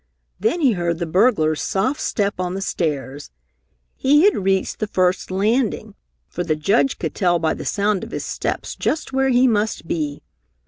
Then he heard the burglar's soft step on the stairs. He had reached the first landing, for the Judge could tell by the sound of his steps just where he must be.